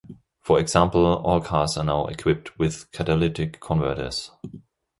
For example all cars are now equipped with catalytic converters.